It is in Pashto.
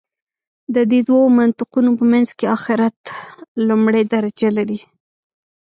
د دې دوو منطقونو په منځ کې آخرت لومړۍ درجه لري.